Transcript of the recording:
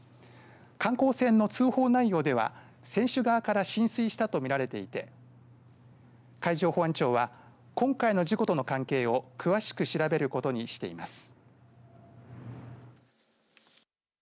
観光船の通報内容では船首側から浸水したと見られていて海上保安庁は今回の事故との関係を詳しく調べることにしています。